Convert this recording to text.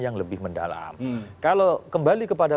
yang lebih mendalam kalau kembali kepada